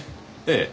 ええ。